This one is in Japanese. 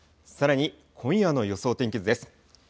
さらに今夜の予想天気図です。